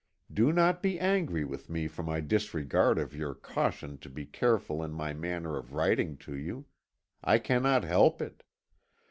Do not be angry with me for my disregard of your caution to be careful in my manner of writing to you. I cannot help it.